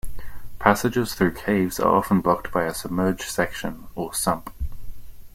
Passages through caves are often blocked by a submerged section, or sump.